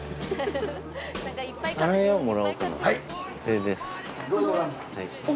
はい。